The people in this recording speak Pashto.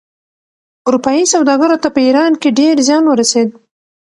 اروپايي سوداګرو ته په ایران کې ډېر زیان ورسېد.